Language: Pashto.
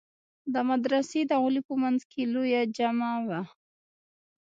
د مدرسې د غولي په منځ کښې لويه جامع وه.